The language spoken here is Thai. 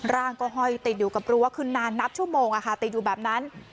ร่างก็ห้อยติดอยู่กับรั้วขึ้นนานนับชั่วโมงติดอยู่แบบนั้น